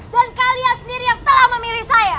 dan kalian sendiri yang telah memilih saya